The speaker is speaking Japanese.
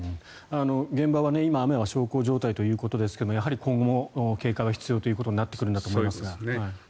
現場は今、雨は小康状態ということですがやはり今後も警戒は必要ということになってくるんだと思いますが。